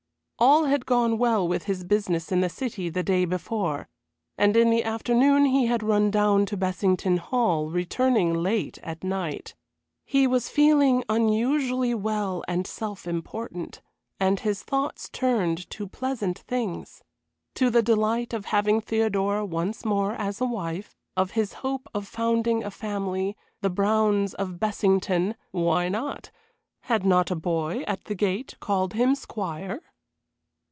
All had gone well with his business in the City the day before, and in the afternoon he had run down to Bessington Hall, returning late at night. He was feeling unusually well and self important, and his thoughts turned to pleasant things: To the delight of having Theodora once more as a wife; of his hope of founding a family the Browns of Bessington why not? Had not a boy at the gate called him squire?